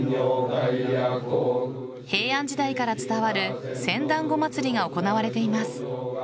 平安時代から伝わる千団子祭が行われています。